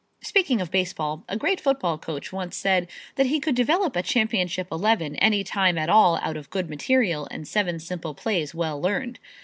Speaking of baseball, a great football coach once said that he could develop a championship eleven any time at all out of good material and seven simple plays well learned.